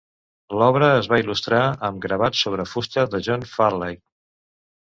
L'obra es va il·lustrar amb gravats sobre fusta de John Farleigh.